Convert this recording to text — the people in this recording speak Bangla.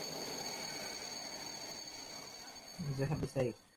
ঢাকার তিন স্পিনার সাকিব নারাইন আফ্রিদির সামনে খুলনাকে কঠিন পরীক্ষাই দিতে হবে।